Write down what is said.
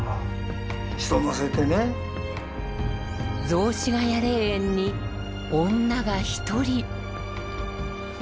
雑司ヶ谷霊園に女が一人。